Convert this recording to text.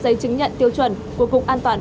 và chứng nhận tiêu chuẩn của cục an toàn